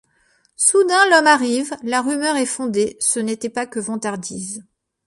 Soudain, l’homme arrive, la rumeur est fondée, ce n’était pas que vantardises.